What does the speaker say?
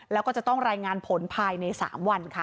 แล้วก็จะต้องรายงานผลภายใน๓วันค่ะ